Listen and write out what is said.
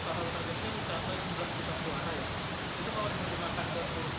saya mau tanya pak bapak kenapa mencari target sama dengan bapak